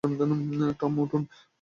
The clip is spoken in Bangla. টম, উঠুন!